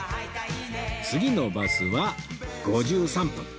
次のバスは５３分